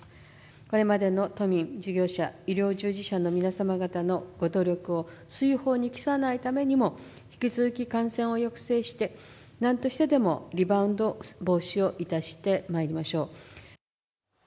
これまでの都民、事業者、医療従事者の方々のご努力を水泡に帰さないためにも引き続き、感染を抑制して、何としてでもリバウンド防止をいたしてまいりましょう。